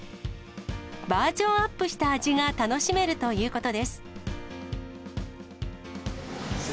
バージョンアップした味が楽しめるということです。